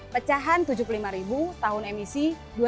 pecahan rp tujuh puluh lima tahun emisi dua ribu dua puluh